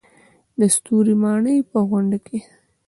د ستوري ماڼۍ په غونډه کې.